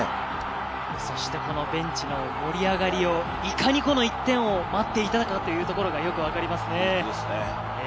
そしてベンチの盛り上がりもいかに１点を待っていたかというところがよくわかりますね。